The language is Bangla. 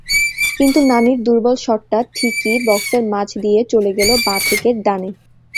কিন্তু নানির দুর্বল শটটা ঠিকই বক্সের মাঝ দিয়ে চলে গেল বাঁ থেকে ডানে।